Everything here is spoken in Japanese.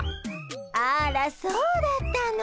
あらそうだったの。